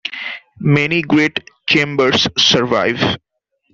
Many great chambers survive.